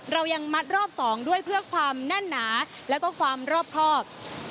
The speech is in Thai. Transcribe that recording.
เรายังมัดรอบ๒ด้วยเพื่อความแน่นหนาแล้วก็ความรอบครอบ